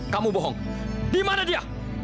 kamu bohong dimana dia